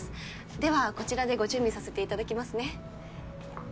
ではこちらでご準備させて頂きますね。